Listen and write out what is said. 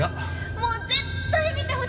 もう絶対見てほしいです。